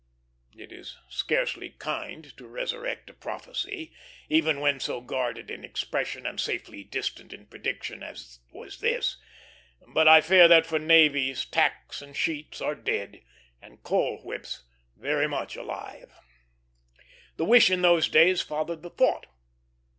It is scarcely kind to resurrect a prophecy, even when so guarded in expression and safely distant in prediction as was this; but I fear that for navies tacks and sheets are dead, and coal whips very much alive. The wish in those days fathered the thought.